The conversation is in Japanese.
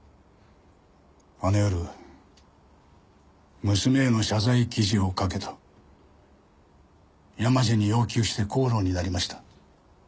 あの夜娘への謝罪記事を書けと山路に要求して口論になりました。